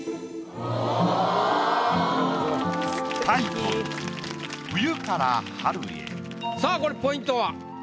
タイトルさあこれポイントは？